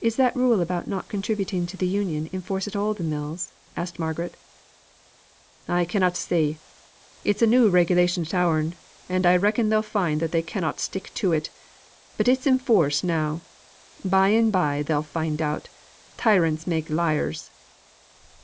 "Is that rule about not contributing to the Union in force at all the mills?" asked Margaret. "I cannot say. It's a new regulation at ours; and I reckon they'll find that they cannot stick to it. But it's in force now. By and by they'll find out, tyrants makes liars."